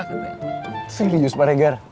siapa yang ngisi pak regar